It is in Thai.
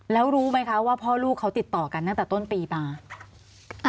แล้วรู้ไหมว่าพอลูกเขาติดต่อกันต้นตอนปีตอนนั้น